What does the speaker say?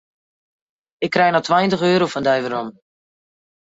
Ik krij noch tweintich euro fan dy werom.